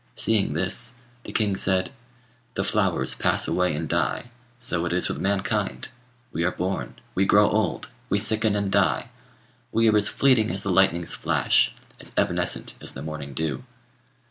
Seeing this, the king said, 'The flowers pass away and die; so is it with mankind: we are born, we grow old, we sicken and die; we are as fleeting as the lightning's flash, as evanescent as the morning dew.'